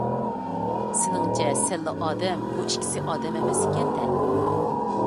سېنىڭچە سەنلا ئادەم، بۇ ئىككىسى ئادەم ئەمەس ئىكەن - دە!